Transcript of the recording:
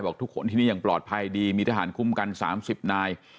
ทุกคนที่นี่ยังปลอดภัยดีมีทหารคุ้มกัน๓๐นาย